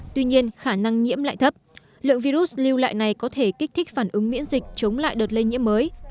tuy nhiên khả năng nhiễm lại thấp lượng virus lưu lại này có thể kích thích phản ứng miễn dịch chống lại đợt lây nhiễm mới